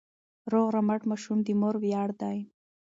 روغ رمټ ماشوم د مور ویاړ دی.